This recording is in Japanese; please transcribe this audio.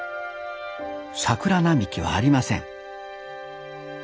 桜並木はありません。